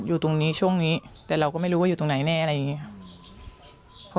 อยู่ตรงนี้ช่วงนี้แต่เราก็ไม่รู้ว่าอยู่ตรงไหนแน่อะไรอย่างนี้ค่ะ